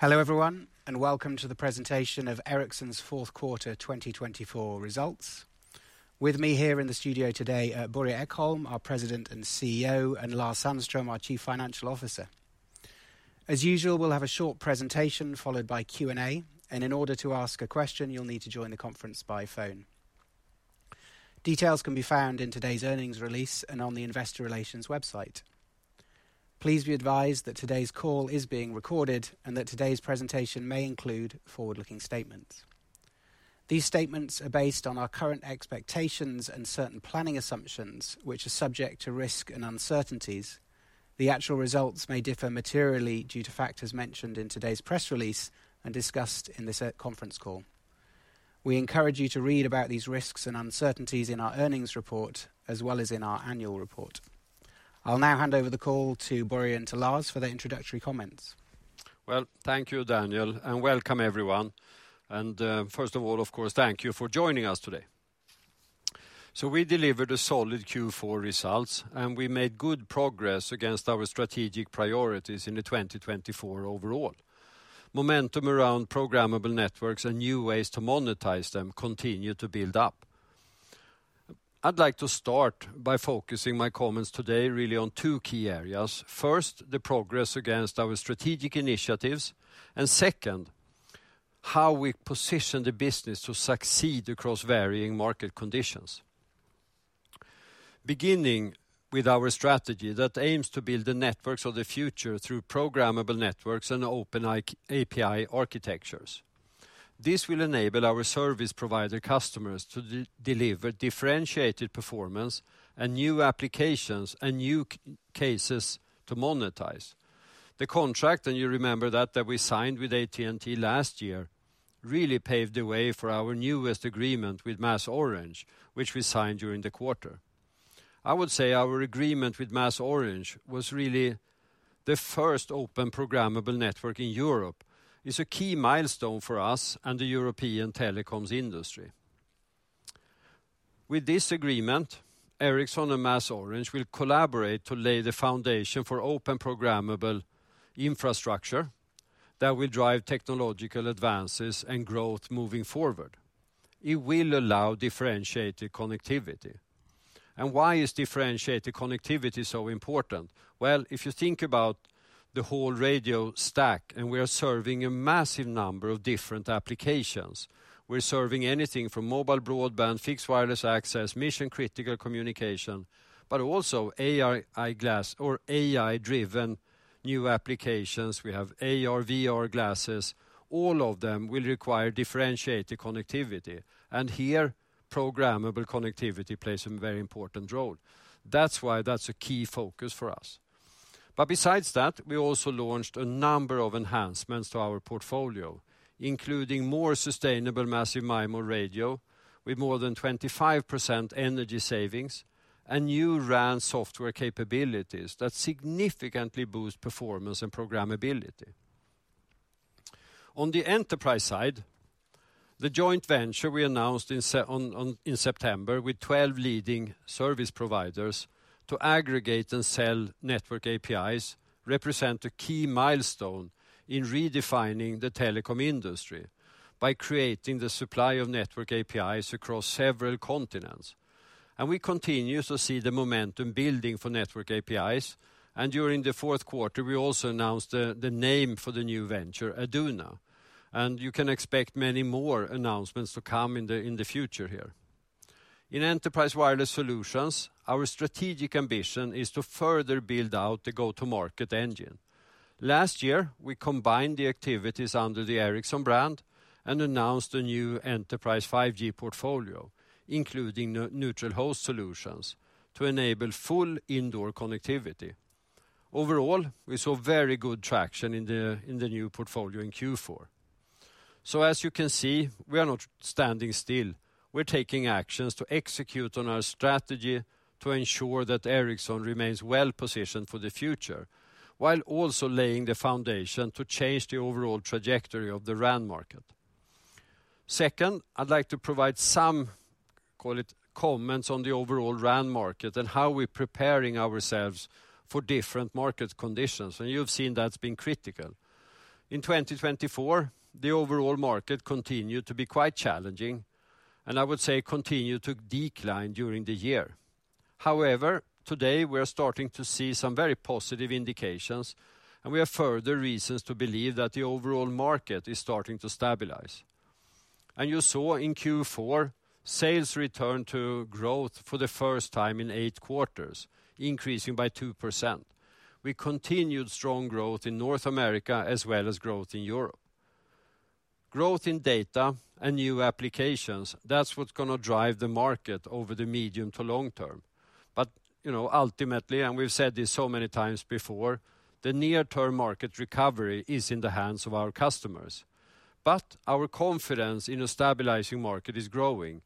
Hello everyone, and welcome to the presentation of Ericsson's fourth quarter 2024 results. With me here in the studio today are Börje Ekholm, our President and CEO, and Lars Sandström, our Chief Financial Officer. As usual, we'll have a short presentation followed by Q&A, and in order to ask a question, you'll need to join the conference by phone. Details can be found in today's earnings release and on the Investor Relations website. Please be advised that today's call is being recorded and that today's presentation may include forward-looking statements. These statements are based on our current expectations and certain planning assumptions, which are subject to risk and uncertainties. The actual results may differ materially due to factors mentioned in today's press release and discussed in this conference call. We encourage you to read about these risks and uncertainties in our earnings report, as well as in our annual report. I'll now hand over the call to Börje and to Lars for their introductory comments. Thank you, Daniel, and welcome everyone. First of all, of course, thank you for joining us today. We delivered a solid Q4 results, and we made good progress against our strategic priorities in 2024 overall. Momentum around programmable Networks and new ways to monetize them continued to build up. I'd like to start by focusing my comments today really on two key areas. First, the progress against our strategic initiatives, and second, how we position the business to succeed across varying market conditions. Beginning with our strategy that aims to build the Networks of the future through programmable Networks and open API architectures. This will enable our service provider customers to deliver differentiated performance and new applications and new cases to monetize. The contract, and you remember that, that we signed with AT&T last year really paved the way for our newest agreement with MásOrange, which we signed during the quarter. I would say our agreement with MásOrange was really the first open programmable network in Europe. It's a key milestone for us and the European telecoms industry. With this agreement, Ericsson and MásOrange will collaborate to lay the foundation for open programmable infrastructure that will drive technological advances and growth moving forward. It will allow differentiated connectivity, and why is differentiated connectivity so important? Well, if you think about the whole radio stack, and we are serving a massive number of different applications. We're serving anything from mobile broadband, fixed wireless access, mission-critical communication, but also AR glasses or AI-driven new applications. We have AR, VR glasses. All of them will require differentiated connectivity. And here, programmable connectivity plays a very important role. That's why that's a key focus for us. But besides that, we also launched a number of enhancements to our portfolio, including more sustainable massive MIMO radio with more than 25% energy savings and new RAN software capabilities that significantly boost performance and programmability. On the enterprise side, the joint venture we announced in September with 12 leading service providers to aggregate and sell network APIs represents a key milestone in redefining the telecom industry by creating the supply of network APIs across several continents. And we continue to see the momentum building for network APIs. And during the fourth quarter, we also announced the name for the new venture, Aduna. And you can expect many more announcements to come in the future here. In Enterprise Wireless Solutions, our strategic ambition is to further build out the go-to-market engine. Last year, we combined the activities under the Ericsson brand and announced a new enterprise 5G portfolio, including neutral host solutions to enable full indoor connectivity. Overall, we saw very good traction in the new portfolio in Q4, so as you can see, we are not standing still. We're taking actions to execute on our strategy to ensure that Ericsson remains well positioned for the future, while also laying the foundation to change the overall trajectory of the RAN market. Second, I'd like to provide some comments on the overall RAN market and how we're preparing ourselves for different market conditions, and you've seen that's been critical. In 2024, the overall market continued to be quite challenging, and I would say continued to decline during the year. However, today, we're starting to see some very positive indications, and we have further reasons to believe that the overall market is starting to stabilize, and you saw in Q4, sales returned to growth for the first time in eight quarters, increasing by 2%. We continued strong growth in North America as well as growth in Europe, growth in data and new applications, that's what's going to drive the market over the medium to long term, but ultimately, and we've said this so many times before, the near-term market recovery is in the hands of our customers, but our confidence in a stabilizing market is growing,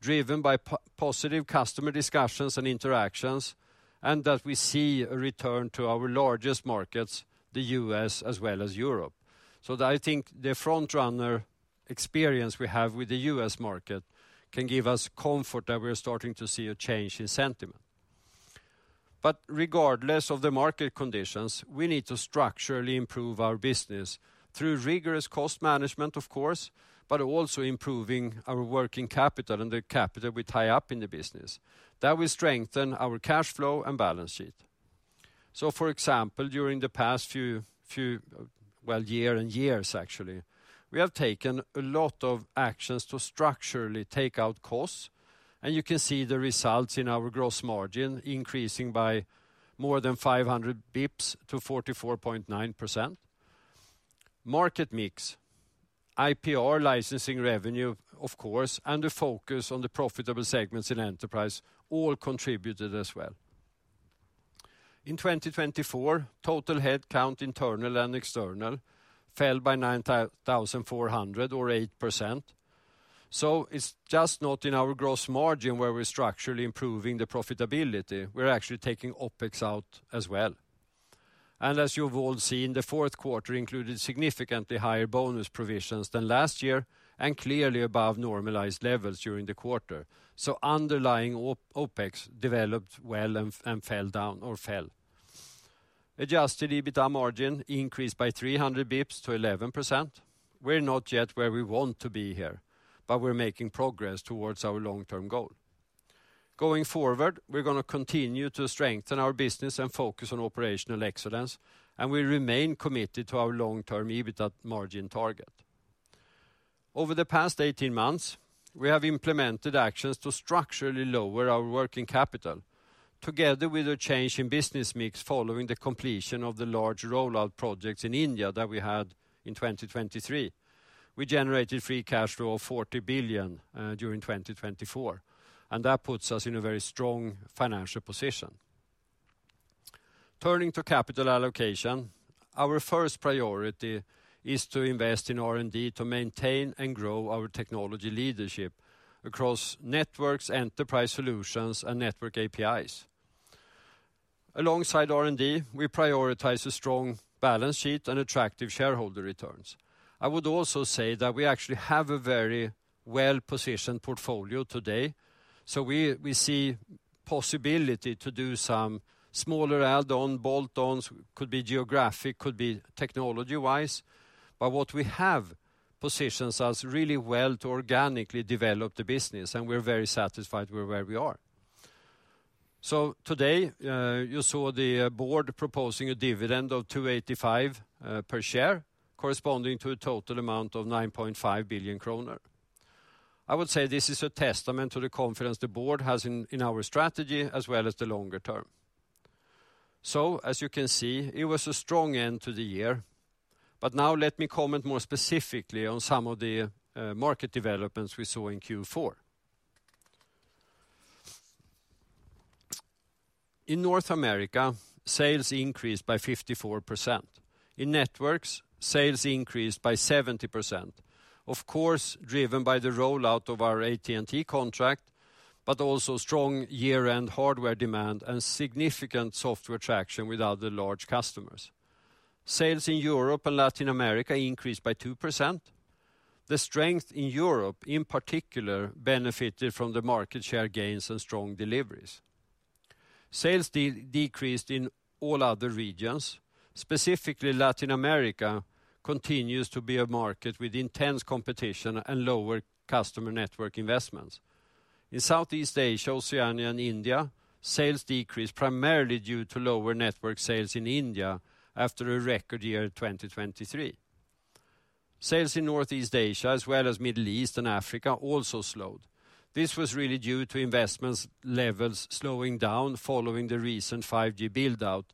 driven by positive customer discussions and interactions, and that we see a return to our largest markets, the U.S. as well as Europe. So I think the frontrunner experience we have with the US market can give us comfort that we're starting to see a change in sentiment. But regardless of the market conditions, we need to structurally improve our business through rigorous cost management, of course, but also improving our working capital and the capital we tie up in the business. That will strengthen our cash flow and balance sheet. So for example, during the past few, well, year and years actually, we have taken a lot of actions to structurally take out costs. And you can see the results in our gross margin increasing by more than 500 basis points to 44.9%. Market mix, IPR licensing revenue, of course, and the focus on the profitable segments in enterprise all contributed as well. In 2024, total headcount, internal and external, fell by 9,400 or 8%. It's just not in our gross margin where we're structurally improving the profitability. We're actually taking OpEx out as well. As you've all seen, the fourth quarter included significantly higher bonus provisions than last year and clearly above normalized levels during the quarter. Underlying OpEx developed well and fell down or fell. Adjusted EBITDA margin increased by 300 basis points to 11%. We're not yet where we want to be here, but we're making progress towards our long-term goal. Going forward, we're going to continue to strengthen our business and focus on operational excellence, and we remain committed to our long-term EBITDA margin target. Over the past 18 months, we have implemented actions to structurally lower our working capital. Together with a change in business mix following the completion of the large rollout projects in India that we had in 2023, we generated free cash flow of 40 billion during 2024. And that puts us in a very strong financial position. Turning to capital allocation, our first priority is to invest in R&D to maintain and grow our technology leadership across networks, enterprise solutions, and network APIs. Alongside R&D, we prioritize a strong balance sheet and attractive shareholder returns. I would also say that we actually have a very well-positioned portfolio today. So we see the possibility to do some smaller add-ons, bolt-ons, could be geographic, could be technology-wise. But what we have positions us really well to organically develop the business, and we're very satisfied with where we are. So today, you saw the board proposing a dividend of 2.85 per share, corresponding to a total amount of 9.5 billion kronor. I would say this is a testament to the confidence the board has in our strategy as well as the longer term. So as you can see, it was a strong end to the year. But now let me comment more specifically on some of the market developments we saw in Q4. In North America, sales increased by 54%. In networks, sales increased by 70%, of course, driven by the rollout of our AT&T contract, but also strong year-end hardware demand and significant software traction with other large customers. Sales in Europe and Latin America increased by 2%. The strength in Europe, in particular, benefited from the market share gains and strong deliveries. Sales decreased in all other regions. Specifically, Latin America continues to be a market with intense competition and lower customer network investments. In Southeast Asia, Oceania, and India, sales decreased primarily due to lower network sales in India after a record year in 2023. Sales in Northeast Asia, as well as the Middle East and Africa, also slowed. This was really due to investment levels slowing down following the recent 5G build-out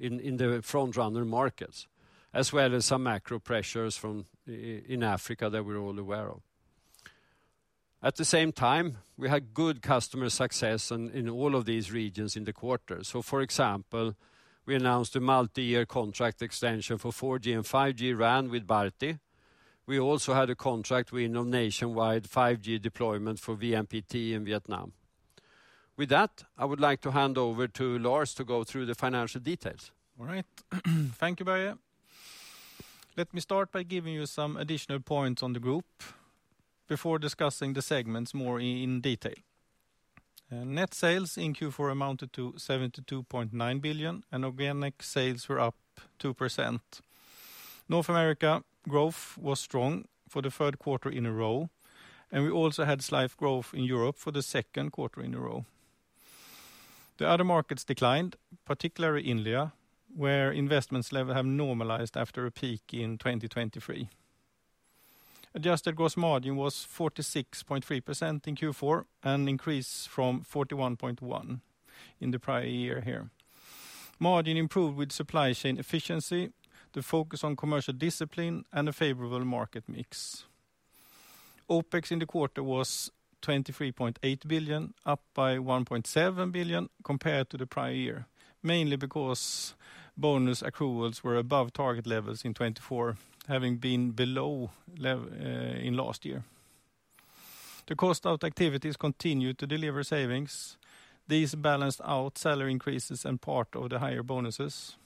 in the frontrunner markets, as well as some macro pressures in Africa that we're all aware of. At the same time, we had good customer success in all of these regions in the quarter. So for example, we announced a multi-year contract extension for 4G and 5G RAN with Bharti. We also had a contract within a nationwide 5G deployment for VNPT in Vietnam. With that, I would like to hand over to Lars to go through the financial details. All right. Thank you, Börje. Let me start by giving you some additional points on the group before discussing the segments more in detail. Net sales in Q4 amounted to 72.9 billion, and organic sales were up 2%. North America growth was strong for the third quarter in a row, and we also had slight growth in Europe for the second quarter in a row. The other markets declined, particularly India, where investments have normalized after a peak in 2023. Adjusted gross margin was 46.3% in Q4, an increase from 41.1% in the prior year here. Margin improved with supply chain efficiency, the focus on commercial discipline, and a favorable market mix. OPEX in the quarter was 23.8 billion, up by 1.7 billion compared to the prior year, mainly because bonus accruals were above target levels in 2024, having been below in last year. The cost of activities continued to deliver savings. These balanced out salary increases and part of the higher bonuses.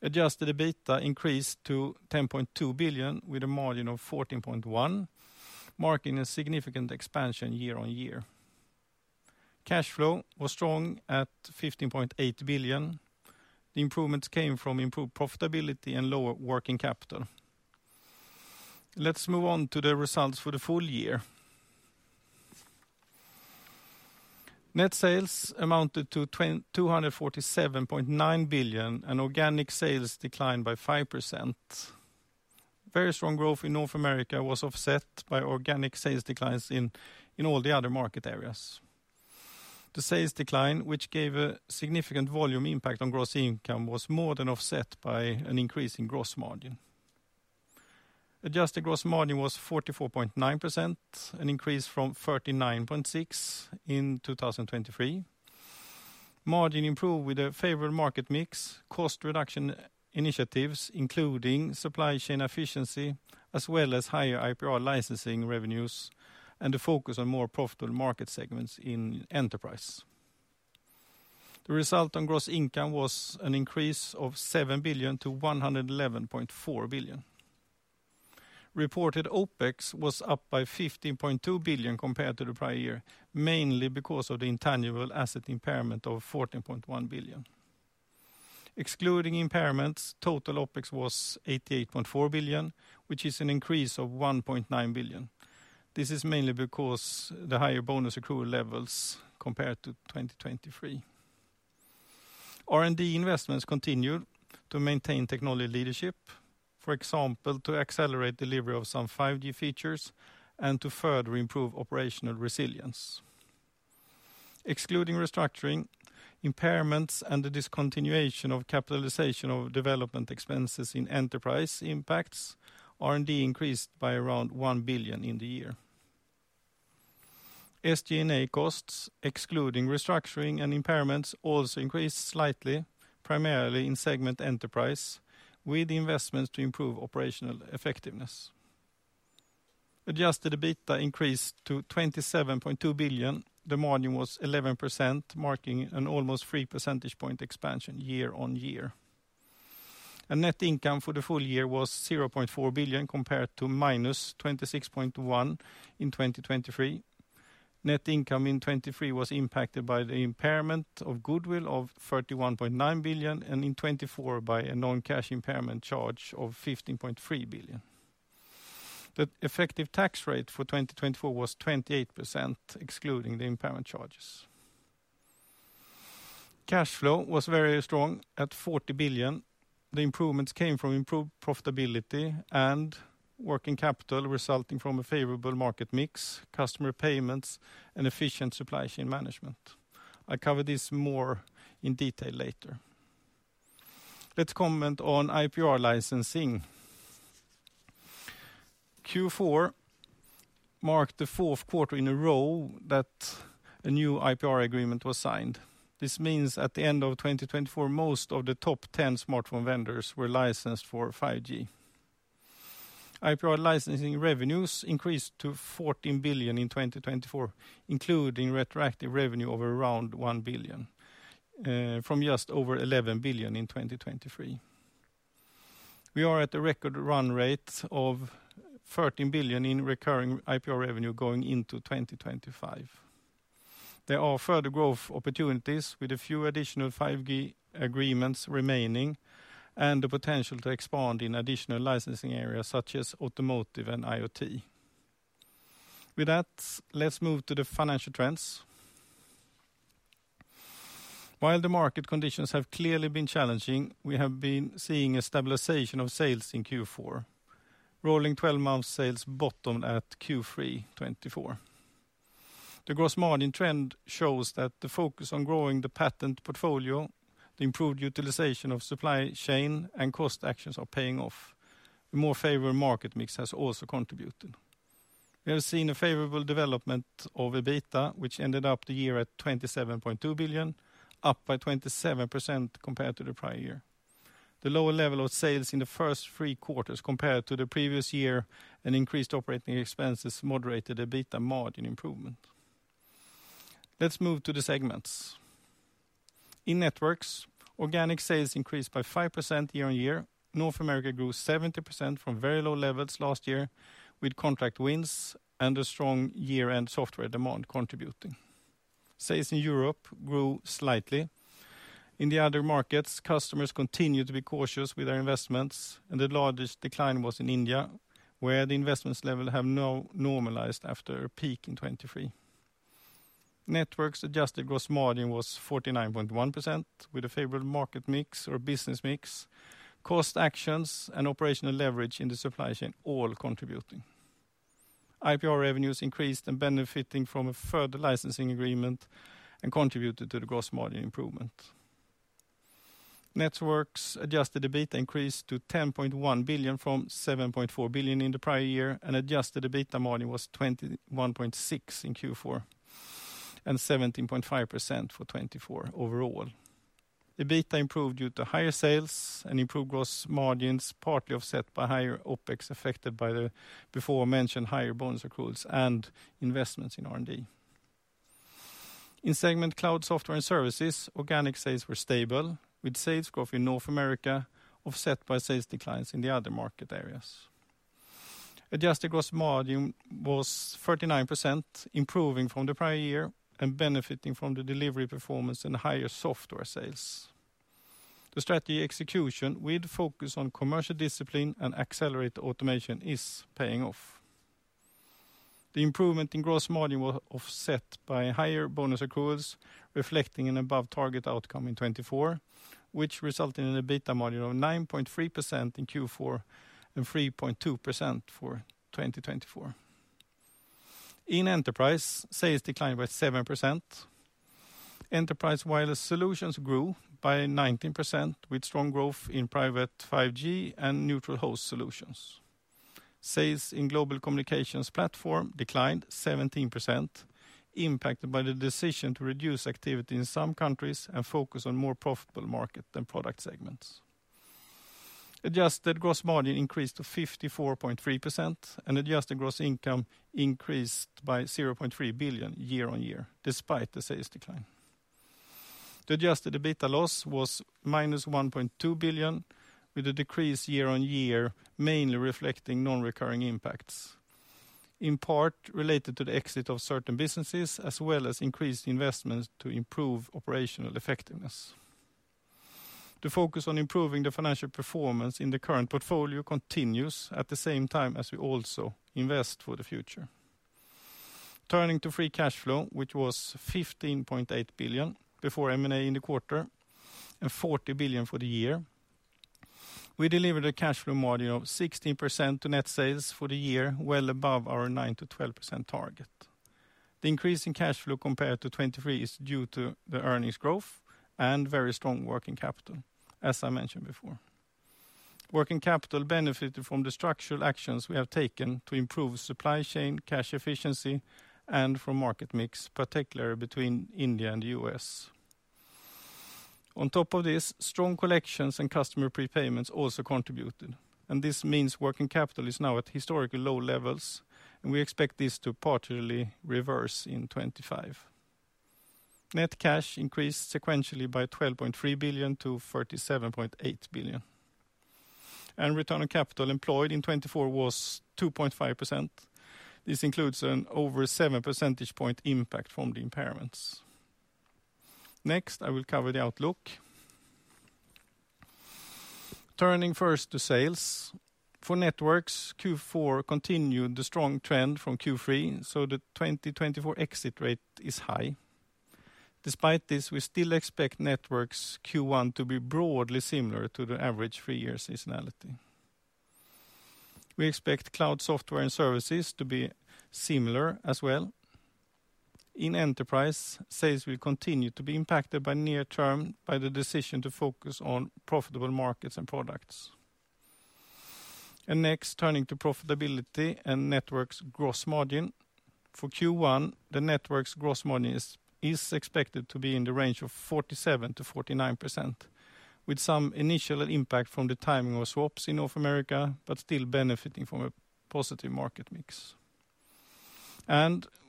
Adjusted EBITDA increased to 10.2 billion with a margin of 14.1%, marking a significant expansion year on year. Cash flow was strong at 15.8 billion. The improvements came from improved profitability and lower working capital. Let's move on to the results for the full year. Net sales amounted to 247.9 billion, and organic sales declined by 5%. Very strong growth in North America was offset by organic sales declines in all the other market areas. The sales decline, which gave a significant volume impact on gross income, was more than offset by an increase in gross margin. Adjusted gross margin was 44.9%, an increase from 39.6% in 2023. Margin improved with a favorable market mix, cost reduction initiatives, including supply chain efficiency, as well as higher IPR licensing revenues and the focus on more profitable market segments in enterprise. The result on gross income was an increase of 7 billion to 111.4 billion. Reported OpEx was up by 15.2 billion compared to the prior year, mainly because of the intangible asset impairment of 14.1 billion. Excluding impairments, total OpEx was 88.4 billion, which is an increase of 1.9 billion. This is mainly because of the higher bonus accrual levels compared to 2023. R&D investments continued to maintain technology leadership, for example, to accelerate delivery of some 5G features and to further improve operational resilience. Excluding restructuring, impairments, and the discontinuation of capitalization of development expenses in enterprise impacts, R&D increased by around one billion SEK in the year. SG&A costs, excluding restructuring and impairments, also increased slightly, primarily in segment enterprise, with investments to improve operational effectiveness. Adjusted EBITDA increased to 27.2 billion. The margin was 11%, marking an almost 3 percentage point expansion year on year, and net income for the full year was 0.4 billion compared to minus 26.1 billion in 2023. Net income in 2023 was impacted by the impairment of goodwill of 31.9 billion, and in 2024 by a non-cash impairment charge of 15.3 billion. The effective tax rate for 2024 was 28%, excluding the impairment charges. Cash flow was very strong at 40 billion. The improvements came from improved profitability and working capital resulting from a favorable market mix, customer payments, and efficient supply chain management. I'll cover this more in detail later. Let's comment on IPR licensing. Q4 marked the fourth quarter in a row that a new IPR agreement was signed. This means at the end of 2024, most of the top 10 smartphone vendors were licensed for 5G. IPR licensing revenues increased to 14 billion in 2024, including retroactive revenue of around 1 billion from just over 11 billion in 2023. We are at a record run rate of 13 billion in recurring IPR revenue going into 2025. There are further growth opportunities with a few additional 5G agreements remaining and the potential to expand in additional licensing areas such as automotive and IoT. With that, let's move to the financial trends. While the market conditions have clearly been challenging, we have been seeing a stabilization of sales in Q4, rolling 12-month sales bottom at Q3 2024. The gross margin trend shows that the focus on growing the patent portfolio, the improved utilization of supply chain, and cost actions are paying off. The more favorable market mix has also contributed. We have seen a favorable development of EBITDA, which ended up the year at 27.2 billion, up by 27% compared to the prior year. The lower level of sales in the first three quarters compared to the previous year and increased operating expenses moderated EBITDA margin improvement. Let's move to the segments. In Networks, organic sales increased by 5% year on year. North America grew 70% from very low levels last year with contract wins and a strong year-end software demand contributing. Sales in Europe grew slightly. In the other markets, customers continue to be cautious with their investments, and the largest decline was in India, where the investment level has now normalized after a peak in 2023. Networks' adjusted gross margin was 49.1% with a favorable market mix or business mix. Cost actions and operational leverage in the supply chain all contributing. IPR revenues increased and benefited from a further licensing agreement and contributed to the gross margin improvement. Networks' Adjusted EBITDA increased to 10.1 billion from 7.4 billion in the prior year, and adjusted EBITDA margin was 21.6% in Q4 and 17.5% for 2024 overall. EBITDA improved due to higher sales and improved gross margins, partly offset by higher OPEX affected by the before-mentioned higher bonus accruals and investments in R&D. In segment Cloud Software and Services, organic sales were stable with sales growth in North America offset by sales declines in the other market areas. Adjusted gross margin was 39%, improving from the prior year and benefiting from the delivery performance and higher software sales. The strategy execution with focus on commercial discipline and accelerated automation is paying off. The improvement in gross margin was offset by higher bonus accruals, reflecting an above-target outcome in 2024, which resulted in an EBITDA margin of 9.3% in Q4 and 3.2% for 2024. In Enterprise, sales declined by 7%. Enterprise Wireless Solutions grew by 19% with strong growth in Private 5G and neutral host solutions. Sales in Global Communications Platform declined 17%, impacted by the decision to reduce activity in some countries and focus on more profitable markets and product segments. Adjusted gross margin increased to 54.3%, and adjusted gross income increased by 0.3 billion year on year, despite the sales decline. The adjusted EBITDA loss was -1.2 billion, with a decrease year on year, mainly reflecting non-recurring impacts, in part related to the exit of certain businesses, as well as increased investments to improve operational effectiveness. The focus on improving the financial performance in the current portfolio continues at the same time as we also invest for the future. Turning to free cash flow, which was 15.8 billion before M&A in the quarter and 40 billion for the year, we delivered a cash flow margin of 16% to net sales for the year, well above our 9%-12% target. The increase in cash flow compared to 2023 is due to the earnings growth and very strong working capital, as I mentioned before. Working capital benefited from the structural actions we have taken to improve supply chain, cash efficiency, and from market mix, particularly between India and the US. On top of this, strong collections and customer prepayments also contributed, and this means working capital is now at historically low levels, and we expect this to partially reverse in 2025. Net cash increased sequentially by 12.3 billion to 37.8 billion. And return on capital employed in 2024 was 2.5%. This includes an over 7 percentage point impact from the impairments. Next, I will cover the outlook. Turning first to sales, for networks, Q4 continued the strong trend from Q3, so the 2024 exit rate is high. Despite this, we still expect networks Q1 to be broadly similar to the average three-year seasonality. We expect Cloud Software and Services to be similar as well. In enterprise, sales will continue to be impacted by near-term by the decision to focus on profitable markets and products. And next, turning to profitability and networks' gross margin. For Q1, the networks' gross margin is expected to be in the range of 47%-49%, with some initial impact from the timing of swaps in North America, but still benefiting from a positive market mix.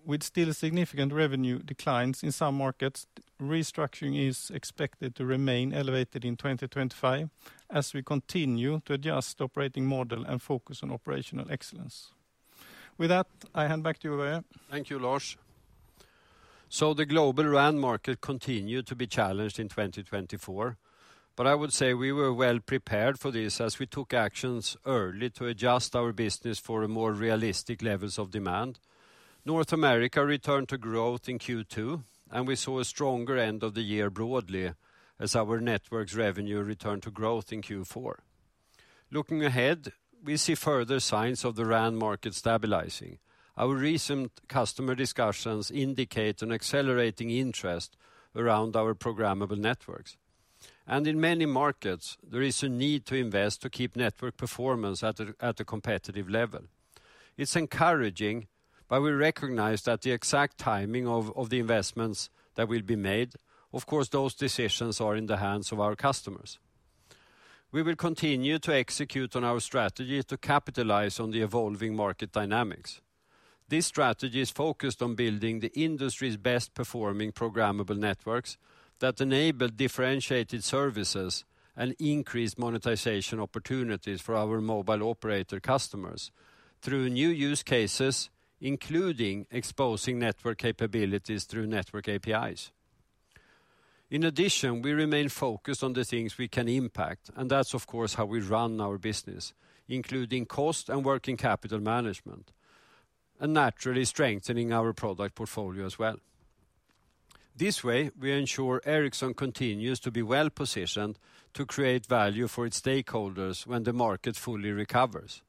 With still significant revenue declines in some markets, restructuring is expected to remain elevated in 2025 as we continue to adjust operating model and focus on operational excellence. With that, I hand back to you, Börje. Thank you, Lars. The global RAN market continued to be challenged in 2024, but I would say we were well prepared for this as we took actions early to adjust our business for more realistic levels of demand. North America returned to growth in Q2, and we saw a stronger end of the year broadly as our Networks revenue returned to growth in Q4. Looking ahead, we see further signs of the RAN market stabilizing. Our recent customer discussions indicate an accelerating interest around our programmable networks. In many markets, there is a need to invest to keep network performance at a competitive level. It's encouraging, but we recognize that the exact timing of the investments that will be made, of course, those decisions are in the hands of our customers. We will continue to execute on our strategy to capitalize on the evolving market dynamics. This strategy is focused on building the industry's best-performing programmable networks that enable differentiated services and increase monetization opportunities for our mobile operator customers through new use cases, including exposing network capabilities through network APIs. In addition, we remain focused on the things we can impact, and that's, of course, how we run our business, including cost and working capital management, and naturally strengthening our product portfolio as well. This way, we ensure Ericsson continues to be well positioned to create value for its stakeholders when the market fully recovers.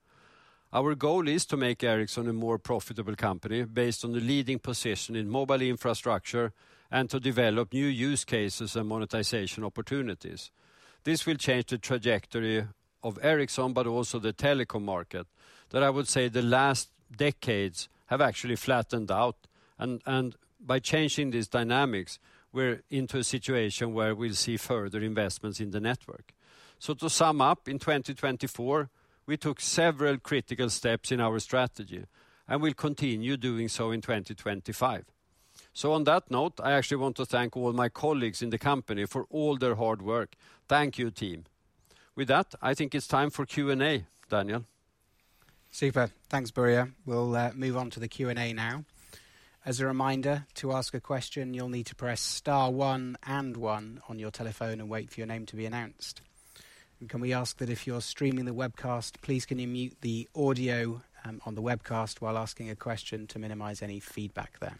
Our goal is to make Ericsson a more profitable company based on the leading position in mobile infrastructure and to develop new use cases and monetization opportunities. This will change the trajectory of Ericsson, but also the telecom market that I would say the last decades have actually flattened out, and by changing these dynamics, we're into a situation where we'll see further investments in the network. To sum up, in 2024, we took several critical steps in our strategy and will continue doing so in 2025. On that note, I actually want to thank all my colleagues in the company for all their hard work. Thank you, team. With that, I think it's time for Q&A, Daniel. Super. Thanks, Börje. We'll move on to the Q&A now. As a reminder, to ask a question, you'll need to press star one and one on your telephone and wait for your name to be announced. And can we ask that if you're streaming the webcast, please can you mute the audio on the webcast while asking a question to minimize any feedback there?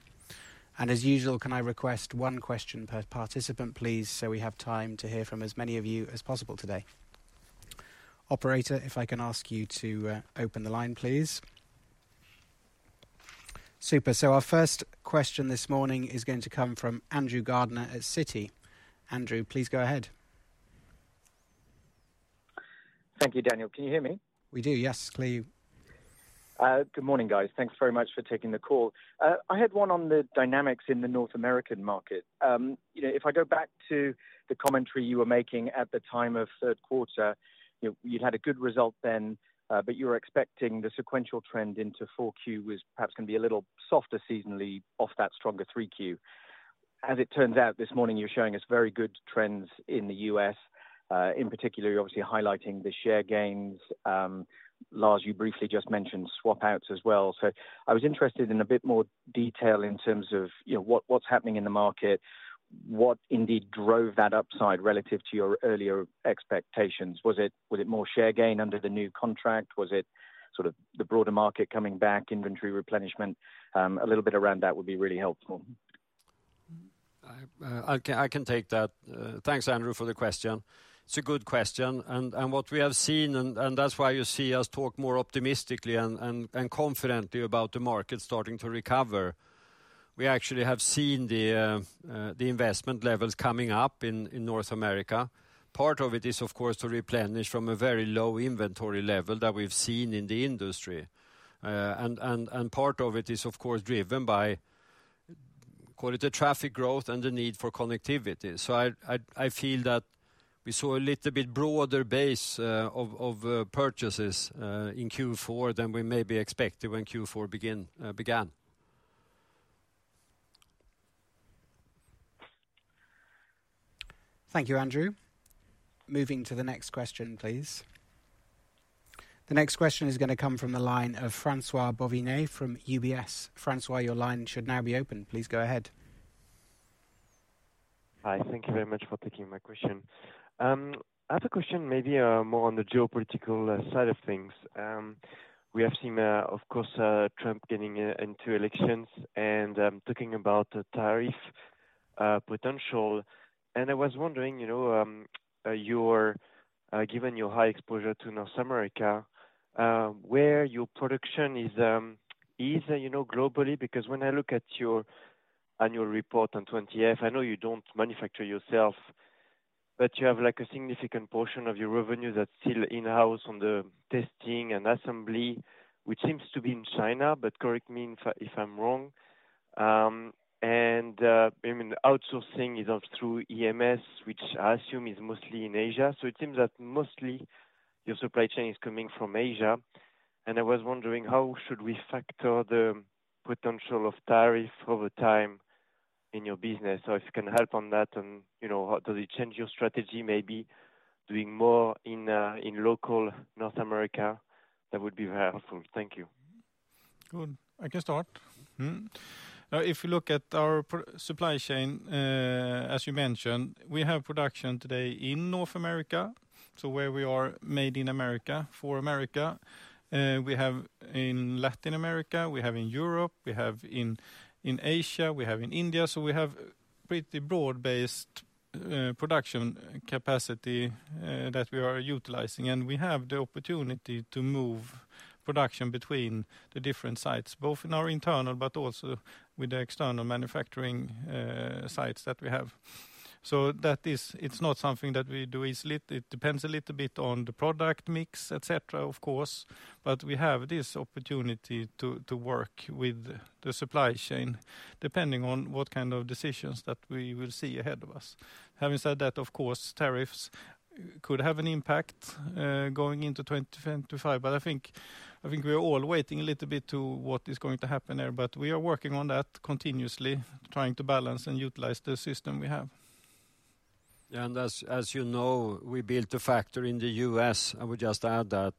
And as usual, can I request one question per participant, please, so we have time to hear from as many of you as possible today? Operator, if I can ask you to open the line, please. Super. So our first question this morning is going to come from Andrew Gardiner at Citi. Andrew, please go ahead. Thank you, Daniel. Can you hear me? We do. Yes, clearly. Good morning, guys. Thanks very much for taking the call. I had one on the dynamics in the North American market. If I go back to the commentary you were making at the time of third quarter, you'd had a good result then, but you were expecting the sequential trend into 4Q was perhaps going to be a little softer seasonally off that stronger 3Q. As it turns out this morning, you're showing us very good trends in the U.S., in particular, obviously highlighting the share gains. Lars, you briefly just mentioned swap outs as well. So I was interested in a bit more detail in terms of what's happening in the market, what indeed drove that upside relative to your earlier expectations. Was it more share gain under the new contract? Was it sort of the broader market coming back, inventory replenishment? A little bit around that would be really helpful. I can take that. Thanks, Andrew, for the question. It's a good question. And what we have seen, and that's why you see us talk more optimistically and confidently about the market starting to recover, we actually have seen the investment levels coming up in North America. Part of it is, of course, to replenish from a very low inventory level that we've seen in the industry. And part of it is, of course, driven by, call it the traffic growth and the need for connectivity. So I feel that we saw a little bit broader base of purchases in Q4 than we may be expecting when Q4 began. Thank you, Andrew. Moving to the next question, please. The next question is going to come from the line of François-Xavier Bouvignies from UBS. François, your line should now be open. Please go ahead. Hi, thank you very much for taking my question. I have a question maybe more on the geopolitical side of things. We have seen, of course, Trump getting into elections and talking about tariff potential. And I was wondering, given your high exposure to North America, where your production is globally, because when I look at your annual report on 20F, I know you don't manufacture yourself, but you have a significant portion of your revenue that's still in-house on the testing and assembly, which seems to be in China, but correct me if I'm wrong. And outsourcing is through EMS, which I assume is mostly in Asia. So it seems that mostly your supply chain is coming from Asia. And I was wondering, how should we factor the potential of tariff over time in your business? So if you can help on that, and does it change your strategy, maybe doing more in local North America, that would be very helpful. Thank you. I can start. If you look at our supply chain, as you mentioned, we have production today in North America, so where we are made in America, for America. We have in Latin America, we have in Europe, we have in Asia, we have in India. So we have pretty broad-based production capacity that we are utilizing. And we have the opportunity to move production between the different sites, both in our internal, but also with the external manufacturing sites that we have. So it's not something that we do easily. It depends a little bit on the product mix, etc., of course. But we have this opportunity to work with the supply chain, depending on what kind of decisions that we will see ahead of us. Having said that, of course, tariffs could have an impact going into 2025, but I think we're all waiting a little bit to what is going to happen there. But we are working on that continuously, trying to balance and utilize the system we have. Yeah, and as you know, we built a factory in the U.S. I would just add that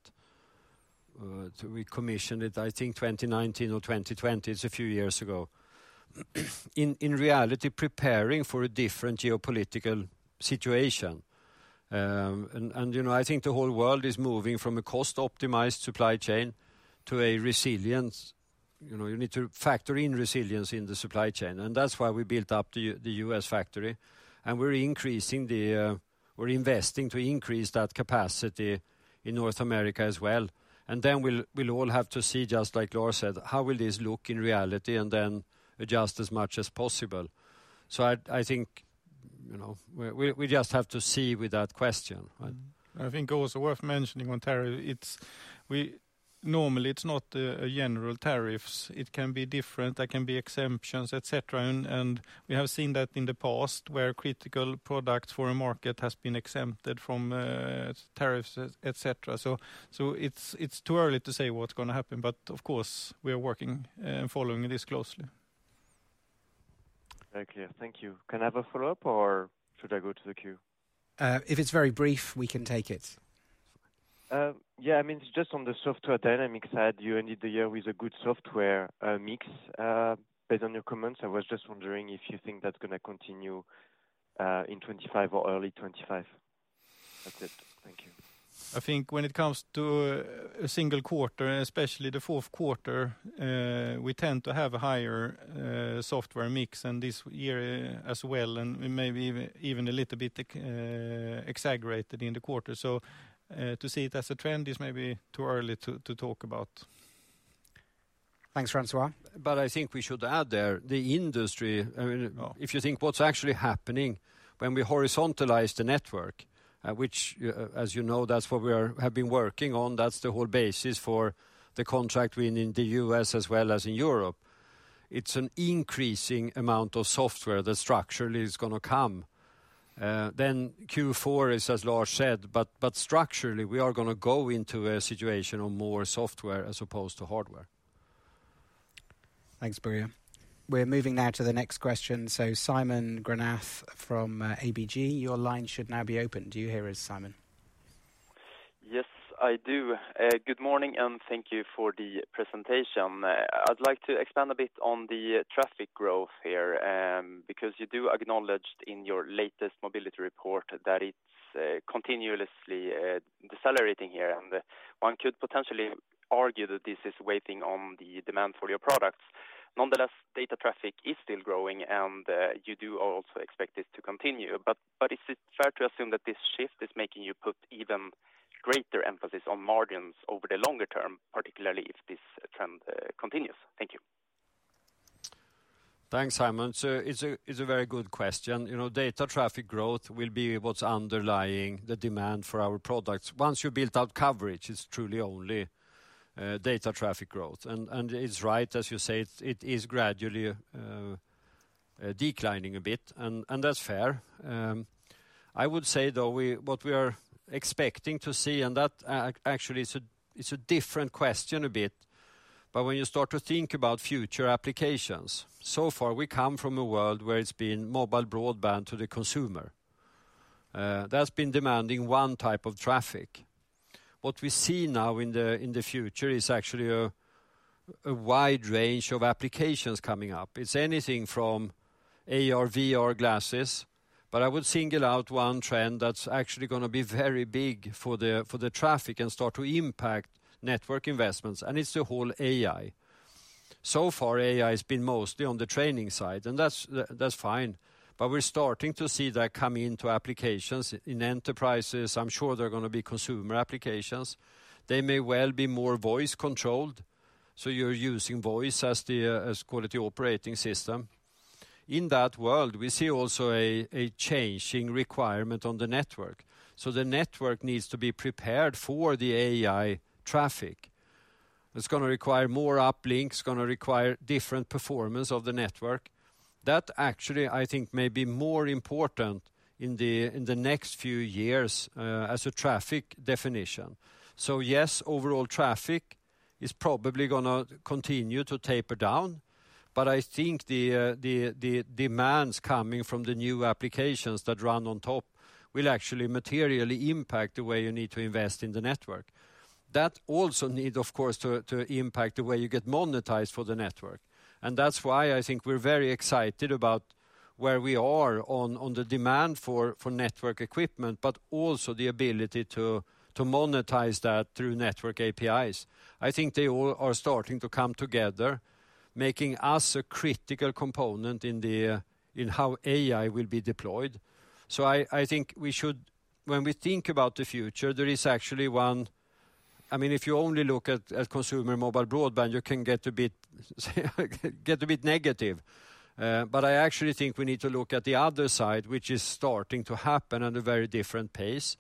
we commissioned it, I think, 2019 or 2020. It's a few years ago. In reality, preparing for a different geopolitical situation. And I think the whole world is moving from a cost-optimized supply chain to a resilient. You need to factor in resilience in the supply chain. And that's why we built up the U.S. factory. And we're investing to increase that capacity in North America as well. And then we'll all have to see, just like Lars said, how will this look in reality and then adjust as much as possible. So I think we just have to see with that question. I think also worth mentioning on tariff, normally it's not general tariffs. It can be different. There can be exemptions, etc. And we have seen that in the past where critical products for a market have been exempted from tariffs, etc. So it's too early to say what's going to happen, but of course, we are working and following this closely. Thank you. Can I have a follow-up or should I go to the queue? If it's very brief, we can take it. Yeah, I mean, just on the software dynamic side, you ended the year with a good software mix. Based on your comments, I was just wondering if you think that's going to continue in 2025 or early 2025. That's it. Thank you. I think when it comes to a single quarter, especially the fourth quarter, we tend to have a higher software mix and this year as well, and maybe even a little bit exaggerated in the quarter. So to see it as a trend is maybe too early to talk about. Thanks, François. But I think we should add there the industry. If you think what's actually happening when we horizontalize the network, which, as you know, that's what we have been working on, that's the whole basis for the contract win in the U.S. as well as in Europe. It's an increasing amount of software that structurally is going to come. Then Q4 is, as Lars said, but structurally we are going to go into a situation of more software as opposed to hardware. Thanks, Brunner. We're moving now to the next question. So Simon Granath from ABG, your line should now be open. Do you hear us, Simon? Yes, I do. Good morning and thank you for the presentation. I'd like to expand a bit on the traffic growth here because you do acknowledge in your latest mobility report that it's continuously decelerating here. And one could potentially argue that this is waiting on the demand for your products. Nonetheless, data traffic is still growing and you do also expect this to continue. But is it fair to assume that this shift is making you put even greater emphasis on margins over the longer term, particularly if this trend continues? Thank you. Thanks, Simon. So it's a very good question. Data traffic growth will be what's underlying the demand for our products. Once you build out coverage, it's truly only data traffic growth. And it's right, as you say, it is gradually declining a bit. And that's fair. I would say, though, what we are expecting to see, and that actually is a different question a bit, but when you start to think about future applications, so far we come from a world where it's been mobile broadband to the consumer. That's been demanding one type of traffic. What we see now in the future is actually a wide range of applications coming up. It's anything from AR, VR glasses, but I would single out one trend that's actually going to be very big for the traffic and start to impact network investments, and it's the whole AI. So far, AI has been mostly on the training side, and that's fine, but we're starting to see that come into applications in enterprises. I'm sure there are going to be consumer applications. They may well be more voice-controlled, so you're using voice as the operating system. In that world, we see also a changing requirement on the network, so the network needs to be prepared for the AI traffic. It's going to require more uplinks, going to require different performance of the network. That actually, I think, may be more important in the next few years as a traffic definition. Yes, overall traffic is probably going to continue to taper down, but I think the demands coming from the new applications that run on top will actually materially impact the way you need to invest in the network. That also needs, of course, to impact the way you get monetized for the network. And that's why I think we're very excited about where we are on the demand for network equipment, but also the ability to monetize that through network APIs. I think they all are starting to come together, making us a critical component in how AI will be deployed. I think we should, when we think about the future, there is actually one. I mean, if you only look at consumer mobile broadband, you can get a bit negative. But I actually think we need to look at the other side, which is starting to happen at a very different pace.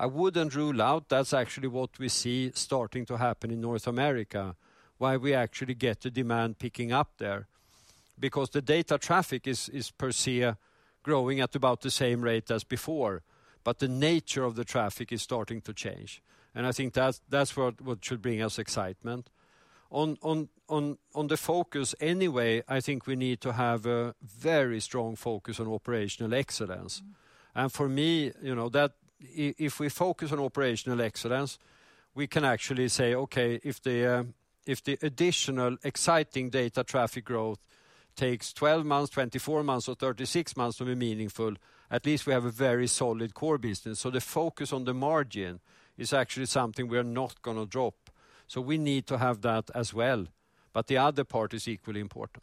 I wouldn't rule out that's actually what we see starting to happen in North America, why we actually get the demand picking up there. Because the data traffic is per se growing at about the same rate as before, but the nature of the traffic is starting to change. And I think that's what should bring us excitement. On the focus anyway, I think we need to have a very strong focus on operational excellence. And for me, if we focus on operational excellence, we can actually say, okay, if the additional exciting data traffic growth takes 12 months, 24 months, or 36 months to be meaningful, at least we have a very solid core business. So the focus on the margin is actually something we are not going to drop. So we need to have that as well. But the other part is equally important.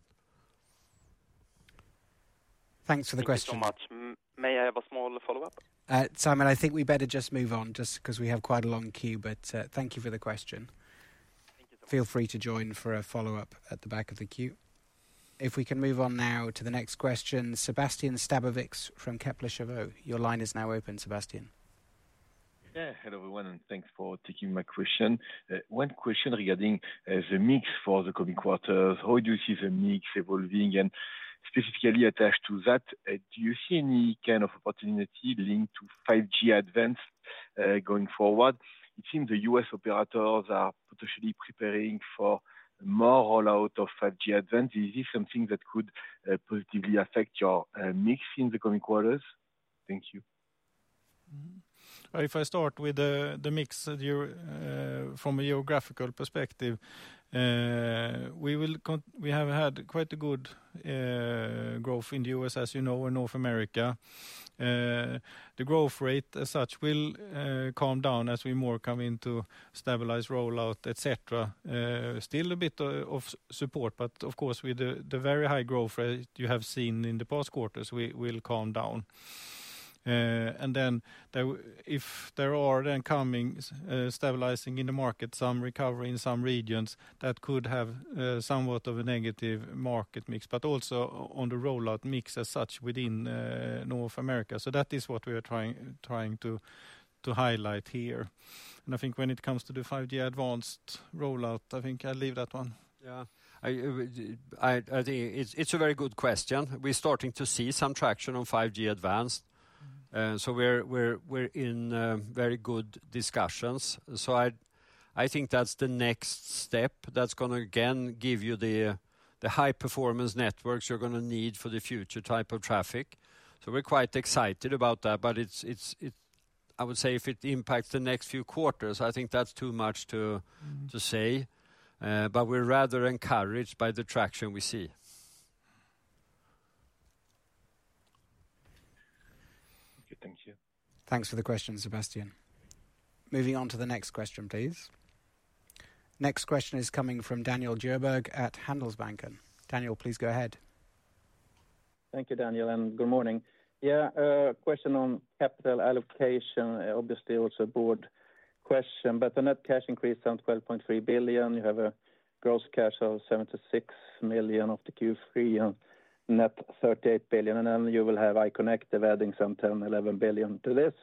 Thanks for the question. Thanks so much. May I have a small follow-up? Simon, I think we better just move on just because we have quite a long queue, but thank you for the question. Feel free to join for a follow-up at the back of the queue. If we can move on now to the next question, Sébastien Sztabowicz from Kepler Cheuvreux. Your line is now open, Sebastian. Yeah, hello everyone and thanks for taking my question. One question regarding the mix for the coming quarters. How do you see the mix evolving? And specifically attached to that, do you see any kind of opportunity linked to 5G Advanced going forward? It seems the U.S. operators are potentially preparing for more rollout of 5G Advanced. Is this something that could positively affect your mix in the coming quarters? Thank you. If I start with the mix from a geographical perspective, we have had quite a good growth in the U.S., as you know, and North America. The growth rate as such will calm down as we more come into stabilized rollout, etc. Still a bit of support, but of course, with the very high growth rate you have seen in the past quarters, we will calm down, and then if there are then coming stabilizing in the market, some recovery in some regions, that could have somewhat of a negative market mix, but also on the rollout mix as such within North America. So that is what we are trying to highlight here. And I think when it comes to the 5G Advanced rollout, I think I'll leave that one. Yeah, I think it's a very good question. We're starting to see some traction on 5G Advanced. So we're in very good discussions. So I think that's the next step that's going to again give you the high-performance networks you're going to need for the future type of traffic. So we're quite excited about that, but I would say if it impacts the next few quarters, I think that's too much to say. But we're rather encouraged by the traction we see. Thank you. Thanks for the question, Sebastian. Moving on to the next question, please. Next question is coming from Daniel Djurberg at Handelsbanken. Daniel, please go ahead. Thank you, Daniel, and good morning. Yeah, a question on capital allocation, obviously also a board question, but the net cash increase of 12.3 billion. You have a gross cash of 76 million of the Q3 and net 38 billion. And then you will have iconectiv adding some 10-11 billion to this.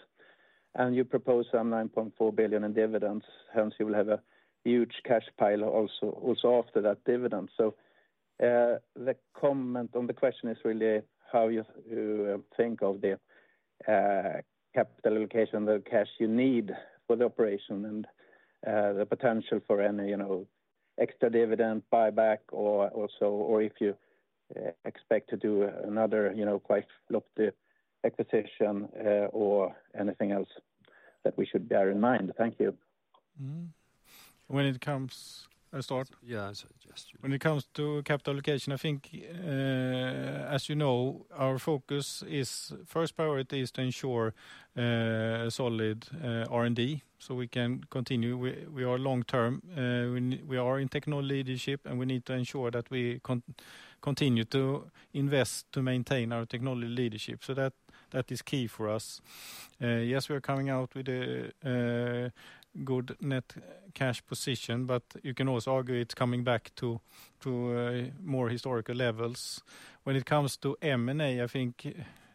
And you propose some 9.4 billion in dividends. Hence, you will have a huge cash pile also after that dividend. So the comment on the question is really how you think of the capital allocation, the cash you need for the operation and the potential for any extra dividend buyback or if you expect to do another quite lofty acquisition or anything else that we should bear in mind. Thank you. When it comes to capital allocation, I think, as you know, our focus is first priority is to ensure solid R&D so we can continue. We are long term. We are in technology leadership and we need to ensure that we continue to invest to maintain our technology leadership. So that is key for us. Yes, we are coming out with a good net cash position, but you can also argue it's coming back to more historical levels. When it comes to M&A, I think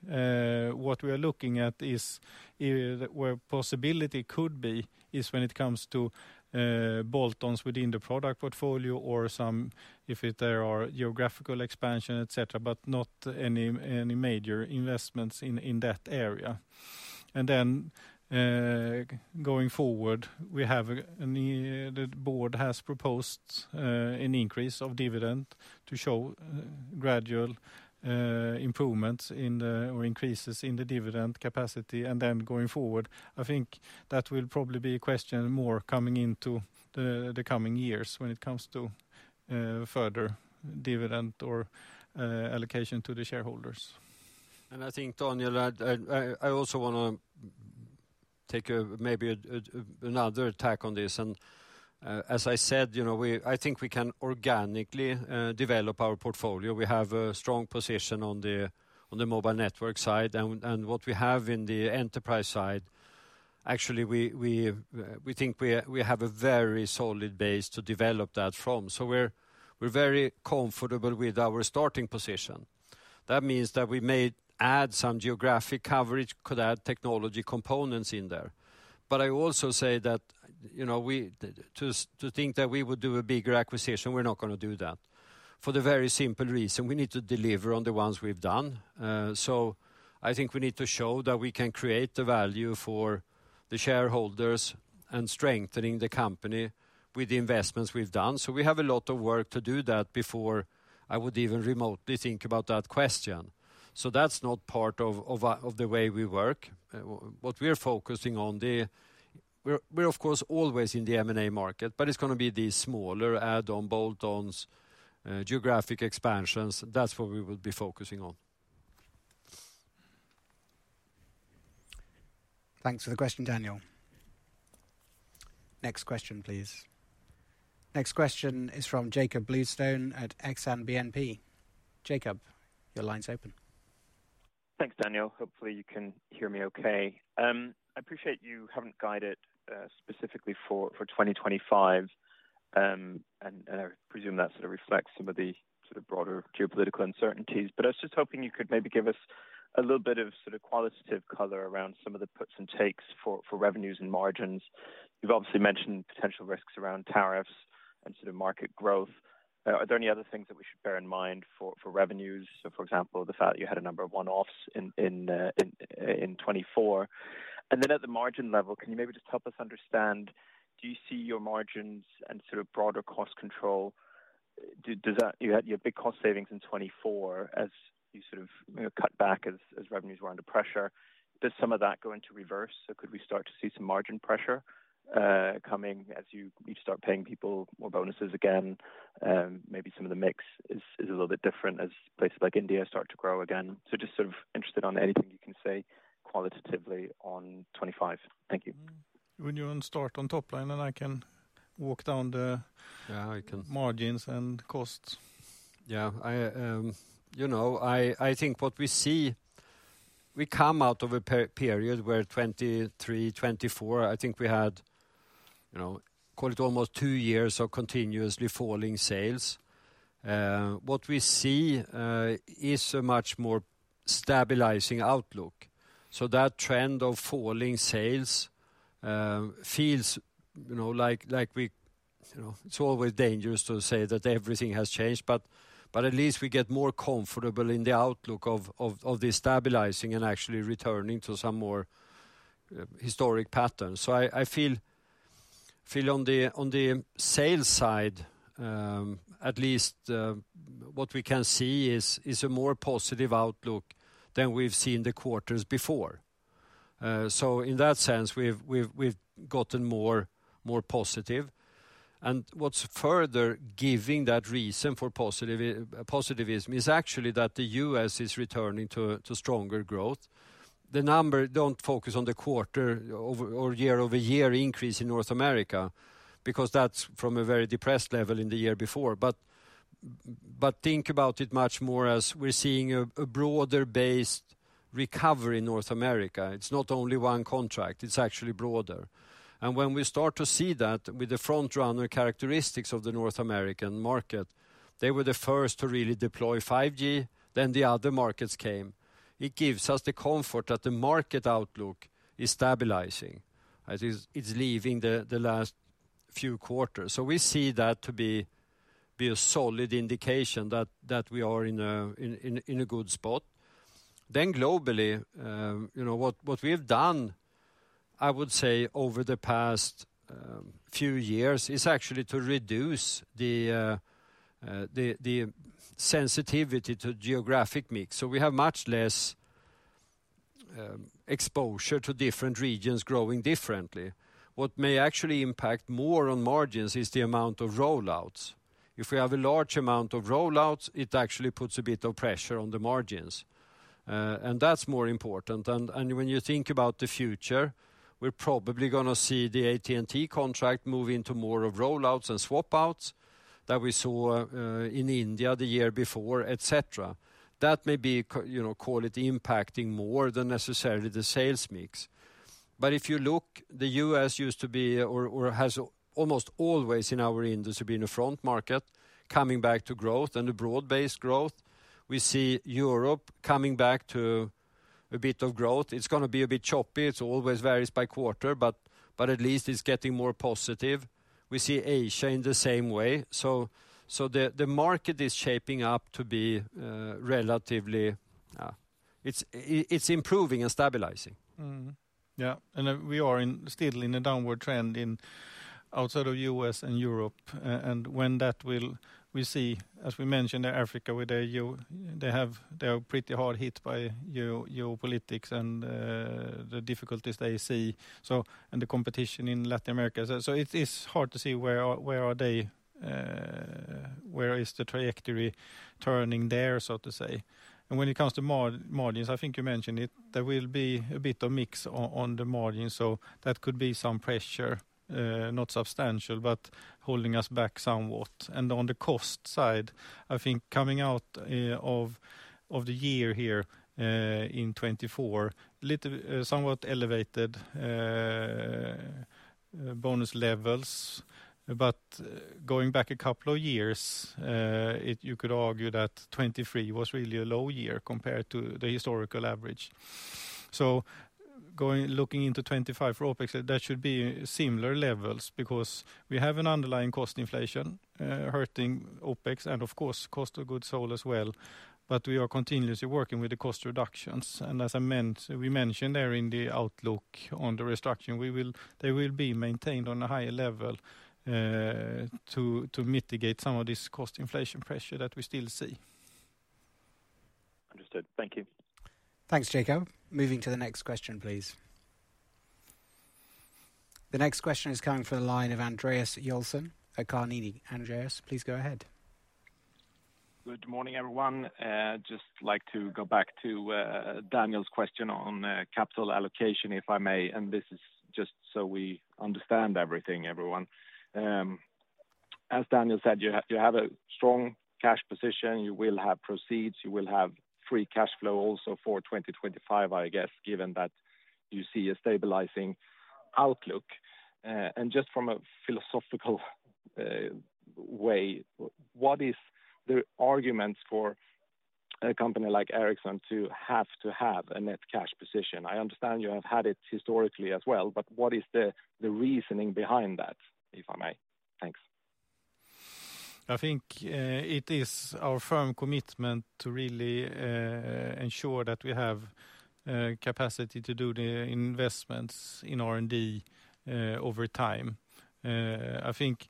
what we are looking at is where possibility could be is when it comes to bolt-ons within the product portfolio or if there are geographical expansions, etc., but not any major investments in that area. And then going forward, the board has proposed an increase of dividend to show gradual improvements or increases in the dividend capacity. And then going forward, I think that will probably be a question more coming into the coming years when it comes to further dividend or allocation to the shareholders. And I think, Daniel, I also want to take maybe another tack on this. And as I said, I think we can organically develop our portfolio. We have a strong position on the mobile network side. And what we have in the enterprise side, actually, we think we have a very solid base to develop that from. So we're very comfortable with our starting position. That means that we may add some geographic coverage, could add technology components in there. But I also say that to think that we would do a bigger acquisition, we're not going to do that for the very simple reason we need to deliver on the ones we've done. So I think we need to show that we can create the value for the shareholders and strengthening the company with the investments we've done. So we have a lot of work to do that before I would even remotely think about that question. So that's not part of the way we work. What we're focusing on, we're of course always in the M&A market, but it's going to be these smaller add-on bolt-ons, geographic expansions. That's what we will be focusing on. Thanks for the question, Daniel. Next question, please. Next question is from Jacob Bluestone at BNP Paribas Exane. Jacob, your line's open. Thanks, Daniel. Hopefully you can hear me okay. I appreciate you haven't guided specifically for 2025. And I presume that sort of reflects some of the broader geopolitical uncertainties. But I was just hoping you could maybe give us a little bit of qualitative color around some of the puts and takes for revenues and margins. You've obviously mentioned potential risks around tariffs and market growth. Are there any other things that we should bear in mind for revenues? So for example, the fact that you had a number of one-offs in 2024. And then at the margin level, can you maybe just help us understand, do you see your margins and broader cost control? You had big cost savings in 2024 as you cut back as revenues were under pressure. Does some of that go into reverse? So could we start to see some margin pressure coming as you start paying people more bonuses again? Maybe some of the mix is a little bit different as places like India start to grow again. So just interested on anything you can say qualitatively on 2025. Thank you. When you want to start on top line and I can walk down the margins and costs. Yeah, I think what we see, we come out of a period where 2023, 2024, I think we had, call it almost two years of continuously falling sales. What we see is a much more stabilizing outlook. So that trend of falling sales feels like it's always dangerous to say that everything has changed, but at least we get more comfortable in the outlook of the stabilizing and actually returning to some more historic patterns. So I feel on the sales side, at least what we can see is a more positive outlook than we've seen the quarters before. So in that sense, we've gotten more positive. And what's further giving that reason for positivism is actually that the U.S. is returning to stronger growth. The number, don't focus on the quarter or year-over-year increase in North America because that's from a very depressed level in the year before. But think about it much more as we're seeing a broader-based recovery in North America. It's not only one contract. It's actually broader. And when we start to see that with the front-runner characteristics of the North American market, they were the first to really deploy 5G, then the other markets came. It gives us the comfort that the market outlook is stabilizing. It's leaving the last few quarters. So we see that to be a solid indication that we are in a good spot. Then globally, what we've done, I would say over the past few years is actually to reduce the sensitivity to geographic mix. So we have much less exposure to different regions growing differently. What may actually impact more on margins is the amount of rollouts. If we have a large amount of rollouts, it actually puts a bit of pressure on the margins. That's more important. When you think about the future, we're probably going to see the AT&T contract move into more of rollouts and swap-outs that we saw in India the year before, etc. That may be call it impacting more than necessarily the sales mix. If you look, the U.S. used to be or has almost always in our industry been a frontrunner market coming back to growth and a broad-based growth. We see Europe coming back to a bit of growth. It's going to be a bit choppy. It's always varies by quarter, but at least it's getting more positive. We see Asia in the same way. The market is shaping up to be relatively, it's improving and stabilizing. Yeah, we are still in a downward trend outside of the U.S. and Europe. And when that will we see, as we mentioned, Africa. They are pretty hard hit by geopolitics and the difficulties they see. And the competition in Latin America. So it is hard to see where are they, where is the trajectory turning there, so to say. And when it comes to margins, I think you mentioned it, there will be a bit of mix on the margins. So that could be some pressure, not substantial, but holding us back somewhat. And on the cost side, I think coming out of the year here in 2024, somewhat elevated bonus levels. But going back a couple of years, you could argue that 2023 was really a low year compared to the historical average. So looking into 2025 for OPEX, that should be similar levels because we have an underlying cost inflation hurting OPEX and of course cost of goods sold as well. But we are continuously working with the cost reductions. And as I mentioned, we mentioned there in the outlook on the restructuring, they will be maintained on a higher level to mitigate some of this cost inflation pressure that we still see. Understood. Thank you. Thanks, Jacob. Moving to the next question, please. The next question is coming from the line of Andreas Joelsson at Carnegie. Andreas, please go ahead. Good morning, everyone. Just like to go back to Daniel's question on capital allocation, if I may. And this is just so we understand everything, everyone. As Daniel said, you have a strong cash position. You will have proceeds. You will have free cash flow also for 2025, I guess, given that you see a stabilizing outlook. And just from a philosophical way, what is the arguments for a company like Ericsson to have to have a net cash position? I understand you have had it historically as well, but what is the reasoning behind that, if I may? Thanks. I think it is our firm commitment to really ensure that we have capacity to do the investments in R&D over time. I think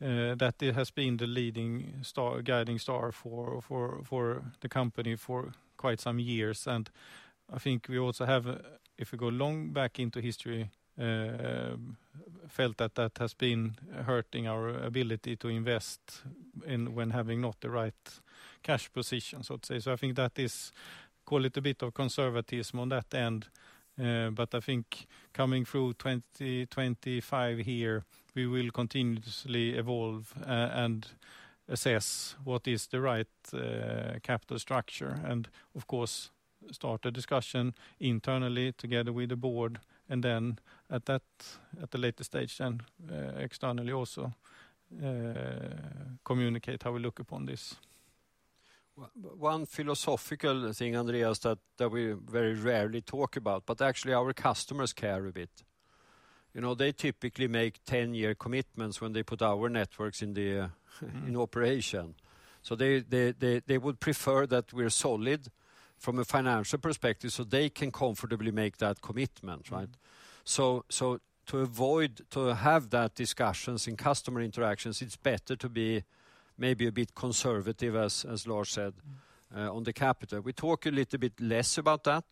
that it has been the leading guiding star for the company for quite some years. And I think we also have, if we go long back into history, felt that that has been hurting our ability to invest when having not the right cash position, so to say. So I think that is, call it, a bit of conservatism on that end. But I think coming through 2025 here, we will continuously evolve and assess what is the right capital structure and of course start a discussion internally together with the board and then at the later stage then externally also communicate how we look upon this. One philosophical thing, Andreas, that we very rarely talk about, but actually our customers care a bit. They typically make 10-year commitments when they put our networks in operation. So they would prefer that we're solid from a financial perspective so they can comfortably make that commitment. So to avoid to have that discussions in customer interactions, it's better to be maybe a bit conservative, as Lars said, on the capital. We talk a little bit less about that,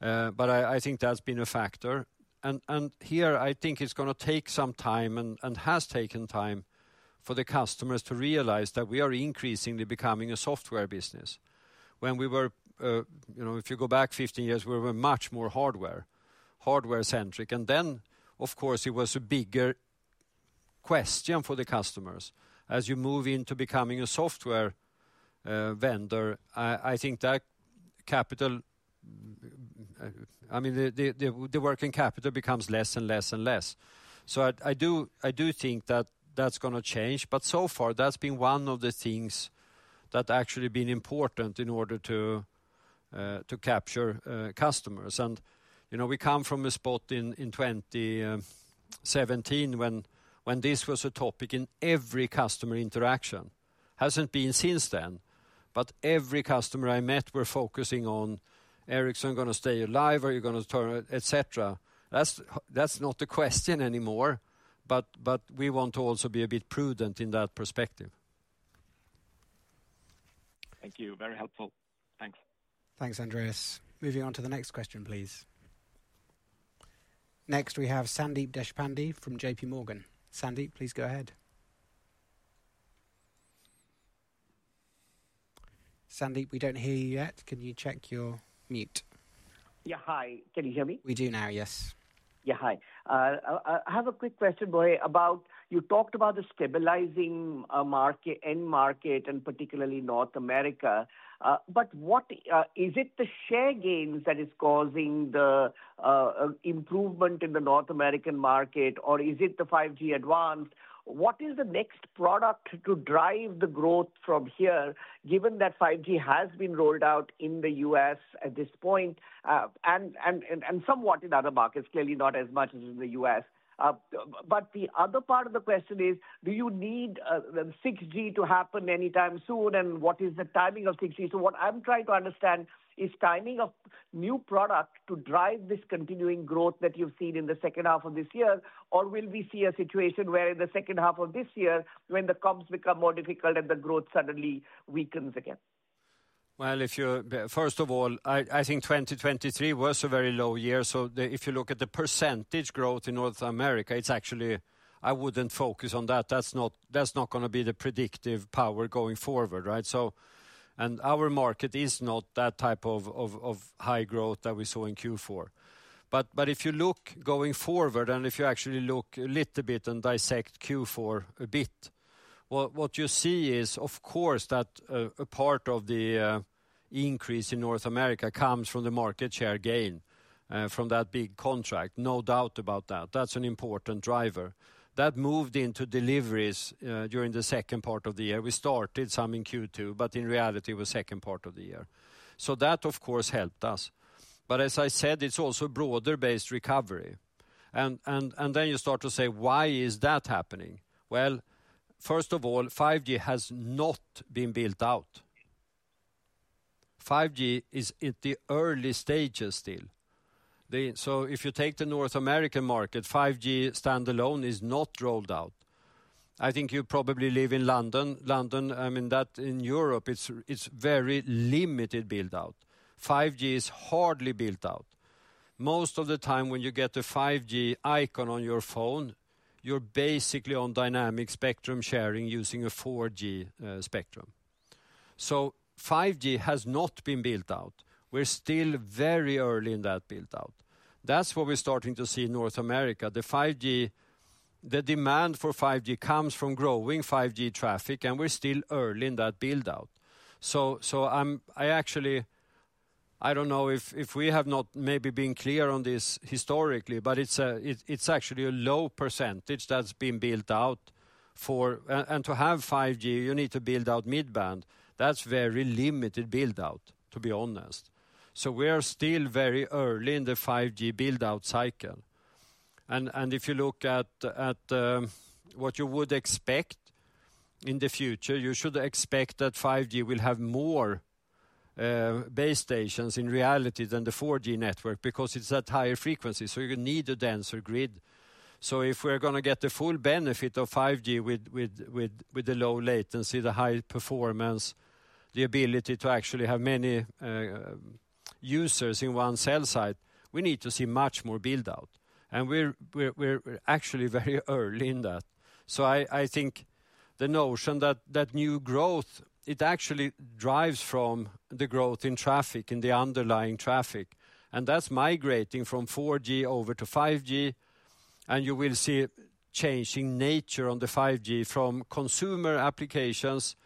but I think that's been a factor. And here I think it's going to take some time and has taken time for the customers to realize that we are increasingly becoming a software business. When we were, if you go back 15 years, we were much more hardware, hardware-centric. And then of course it was a bigger question for the customers. As you move into becoming a software vendor, I think that capital, I mean the working capital becomes less and less and less. So I do think that that's going to change. But so far that's been one of the things that actually been important in order to capture customers. And we come from a spot in 2017 when this was a topic in every customer interaction. Hasn't been since then, but every customer I met were focusing on Ericsson going to stay alive or you're going to turn, etc. That's not the question anymore, but we want to also be a bit prudent in that perspective. Thank you. Very helpful. Thanks. Thanks, Andreas. Moving on to the next question, please. Next we have Sandeep Deshpande from JP Morgan. Sandeep, please go ahead. Sandeep, we don't hear you yet. Can you check your mute? Yeah, hi. Can you hear me? We do now, yes. Yeah, hi. I have a quick question, Börje, about you talked about the stabilizing end market and particularly North America. But is it the share gains that is causing the improvement in the North American market, or is it the 5G advanced? What is the next product to drive the growth from here, given that 5G has been rolled out in the US at this point and somewhat in other markets, clearly not as much as in the US? But the other part of the question is, do you need 6G to happen anytime soon and what is the timing of 6G? So what I'm trying to understand is timing of new product to drive this continuing growth that you've seen in the second half of this year, or will we see a situation where in the second half of this year, when the comps become more difficult and the growth suddenly weakens again? Well, first of all, I think 2023 was a very low year. So if you look at the percentage growth in North America, it's actually, I wouldn't focus on that. That's not going to be the predictive power going forward, right? And our market is not that type of high growth that we saw in Q4. But if you look going forward and if you actually look a little bit and dissect Q4 a bit, what you see is, of course, that a part of the increase in North America comes from the market share gain from that big contract. No doubt about that. That's an important driver. That moved into deliveries during the second part of the year. We started some in Q2, but in reality, it was the second part of the year. So that, of course, helped us. But as I said, it's also broader-based recovery. And then you start to say, why is that happening? Well, first of all, 5G has not been built out. 5G is in the early stages still. So if you take the North American market, 5G Standalone is not rolled out. I think you probably live in London. London, I mean that in Europe, it's very limited build-out. 5G is hardly built out. Most of the time when you get a 5G icon on your phone, you're basically on Dynamic Spectrum Sharing using a 4G spectrum. So 5G has not been built out. We're still very early in that build-out. That's what we're starting to see in North America. The demand for 5G comes from growing 5G traffic, and we're still early in that build-out. So I actually, I don't know if we have not maybe been clear on this historically, but it's actually a low percentage that's been built out for. And to have 5G, you need to build out mid-band. That's very limited build-out, to be honest. So we are still very early in the 5G build-out cycle. And if you look at what you would expect in the future, you should expect that 5G will have more base stations in reality than the 4G network because it's at higher frequencies. So you need a denser grid. So if we're going to get the full benefit of 5G with the low latency, the high performance, the ability to actually have many users in one cell site, we need to see much more build-out. And we're actually very early in that. So I think the notion that new growth, it actually drives from the growth in traffic, in the underlying traffic. And that's migrating from 4G over to 5G. And you will see changing nature on the 5G from consumer applications,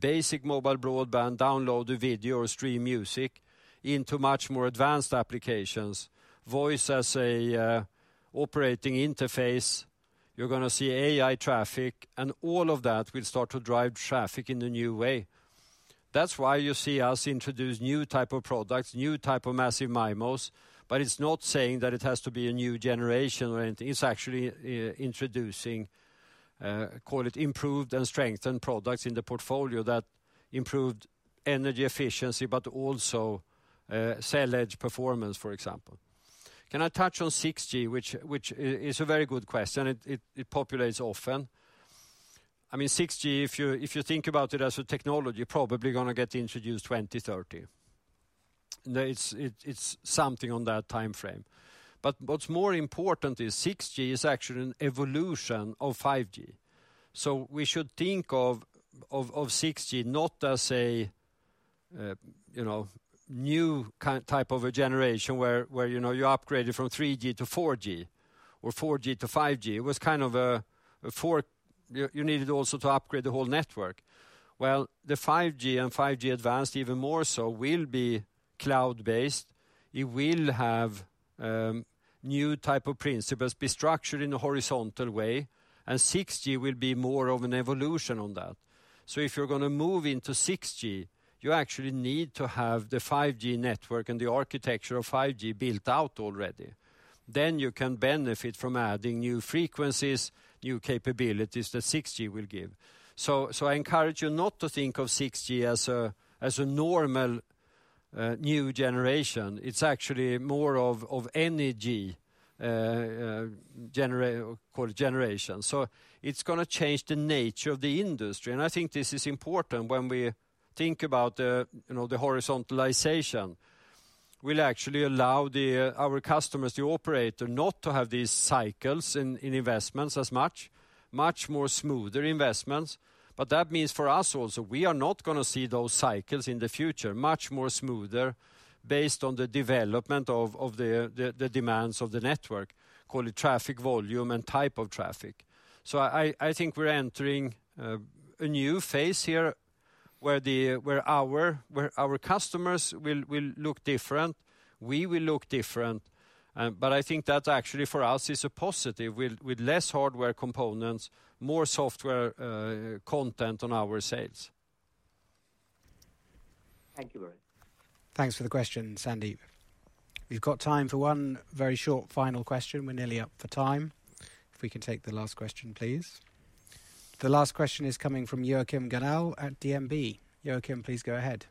basic mobile broadband, download a video or stream music into much more advanced applications. Voice as an operating interface, you're going to see AI traffic, and all of that will start to drive traffic in a new way. That's why you see us introduce new type of products, new type of Massive MIMOs. But it's not saying that it has to be a new generation or anything. It's actually introducing, call it improved and strengthened products in the portfolio that improved energy efficiency, but also cell edge performance, for example. Can I touch on 6G, which is a very good question? It comes up often. I mean, 6G, if you think about it as a technology, probably going to get introduced 2030. It's something on that timeframe. But what's more important is 6G is actually an evolution of 5G. So we should think of 6G not as a new type of a generation where you upgrade it from 3G to 4G or 4G to 5G. It was kind of a four. You needed also to upgrade the whole network. The 5G and 5G Advanced even more so will be cloud-based. It will have new type of principles be structured in a horizontal way. 6G will be more of an evolution on that. If you're going to move into 6G, you actually need to have the 5G network and the architecture of 5G built out already. You can benefit from adding new frequencies, new capabilities that 6G will give. I encourage you not to think of 6G as a normal new generation. It's actually more of energy generation. It's going to change the nature of the industry. I think this is important when we think about the horizontalization. We'll actually allow our customers to operate and not to have these cycles in investments as much, much more smoother investments. But that means for us also, we are not going to see those cycles in the future, much more smoother based on the development of the demands of the network, call it traffic volume and type of traffic. So I think we're entering a new phase here where our customers will look different, we will look different. But I think that actually for us is a positive with less hardware components, more software content on our sales. Thank you, Lars. Thanks for the question, Sandy. We've got time for one very short final question. We're nearly up for time. If we can take the last question, please. The last question is coming from Joachim Gunell at DNB. Joachim, please go ahead.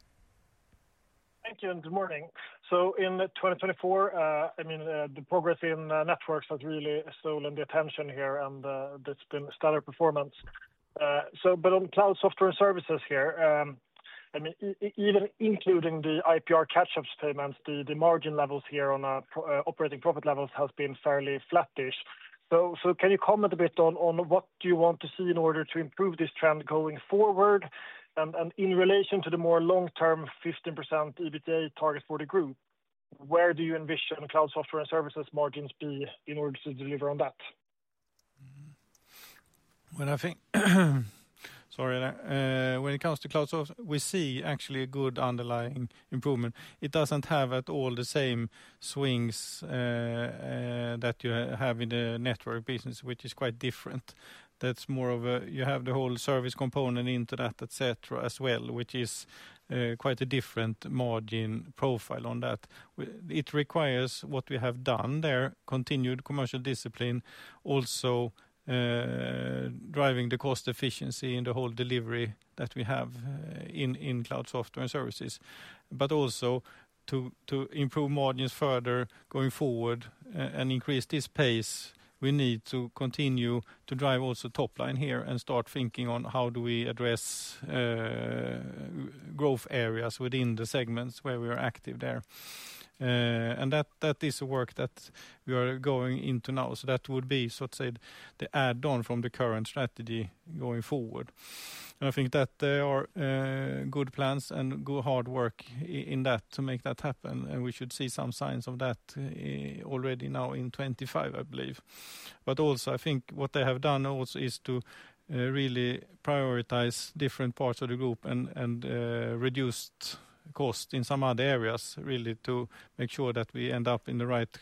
Thank you and good morning. So in 2024, I mean, the progress in Networks has really stolen the attention here and there's been stellar performance. But on Cloud Software and Services here, I mean, even including the IPR catch-up payments, the margin levels here on operating profit levels has been fairly flattish. So can you comment a bit on what you want to see in order to improve this trend going forward? And in relation to the more long-term 15% EBITDA target for the group, where do you envision Cloud Software and Services margins be in order to deliver on that? Sorry, when it comes to Cloud Software, we see actually a good underlying improvement. It doesn't have all the same swings that you have in the network business, which is quite different. That's more of a, you have the whole service component into that, etc. as well, which is quite a different margin profile on that. It requires what we have done there, continued commercial discipline, also driving the cost efficiency in the whole delivery that we have in Cloud Software and Services. But also to improve margins further going forward and increase this pace, we need to continue to drive also top line here and start thinking on how do we address growth areas within the segments where we are active there. And that is the work that we are going into now. So that would be so to say the add-on from the current strategy going forward. And I think that there are good plans and good hard work in that to make that happen. And we should see some signs of that already now in 2025, I believe. But also, I think what they have done also is to really prioritize different parts of the group and reduce cost in some other areas really to make sure that we end up in the right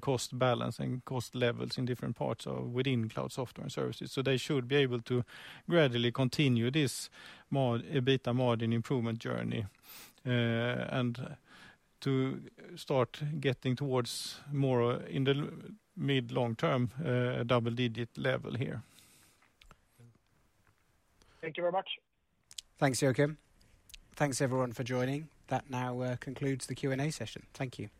cost balance and cost levels in different parts within Cloud Software and Services. So they should be able to gradually continue this EBITDA margin improvement journey and to start getting towards more in the mid-long-term double-digit level here. Thank you very much. Thanks, Joachim. Thanks, everyone for joining. That now concludes the Q&A session. Thank you.